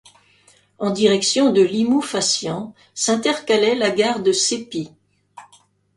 En direction de Limoux-Fassian, s'intercalait la gare de Cépie.